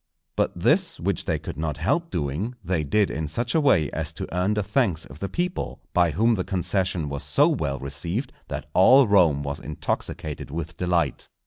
But this, which they could not help doing, they did in such a way as to earn the thanks of the people, by whom the concession was so well received that all Rome was intoxicated with delight.